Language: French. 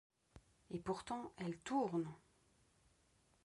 Et pourtant, elle tourne !